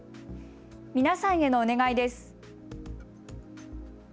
皆さんへのお願いです。